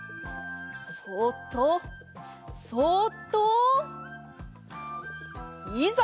そっとそっといざ！